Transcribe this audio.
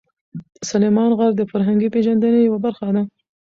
سلیمان غر د فرهنګي پیژندنې یوه برخه ده.